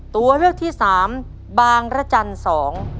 ตัวเลือกที่สามบางระจันทร์สอง